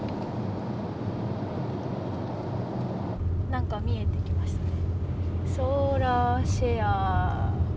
なんか見えてきましたね。